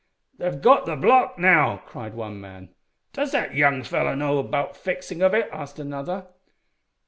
"They've got the block now," cried one man. "Does that young feller know about fixin' of it?" asked another.